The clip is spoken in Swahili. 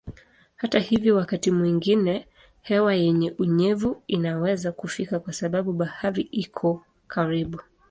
Hata hivyo wakati mwingine hewa yenye unyevu inaweza kufika kwa sababu bahari iko karibu.